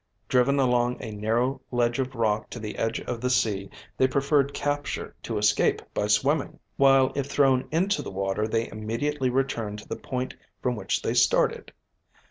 Driven along a narrow ledge of rock to the edge of the sea, they preferred capture to escape by swimming, while if thrown into the water they immediately returned to the point from which they started.